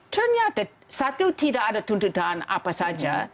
ternyata satu tidak ada tuntutan apa saja